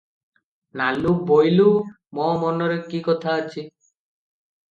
ନାଲୁ - ବୋଇଲୁ, ମୋ ମନରେ କି କଥା ଅଛି?